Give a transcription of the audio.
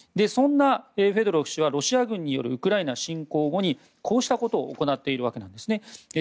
そんなフェドロフ氏はロシア軍によるウクライナ侵攻後にこうしたことを行っているわけですね。